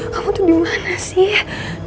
kamu tuh dimana sih